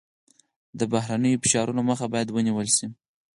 د بهرنیو فشارونو مخه باید ونیول شي.